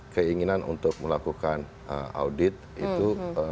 keinginan untuk melakukan audit itu